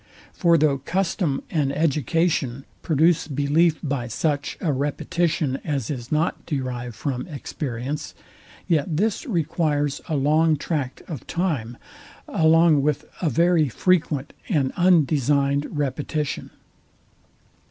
For though custom and education produce belief by such a repetition, as is not derived from experience, yet this requires a long tract of time, along with a very frequent and undesigned repetition.